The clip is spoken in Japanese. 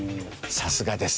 さすがです。